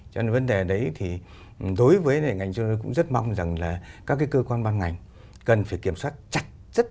cho nên vấn đề đấy thì đối với ngành chăn nuôi cũng rất mong rằng là các cái cơ quan ban ngành cần phải kiểm soát chặt chẽ